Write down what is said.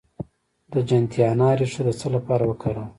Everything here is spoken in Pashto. د جنتیانا ریښه د څه لپاره وکاروم؟